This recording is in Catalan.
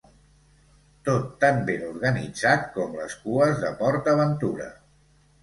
Tot tan ben organitzat com les cues de Port Aventura.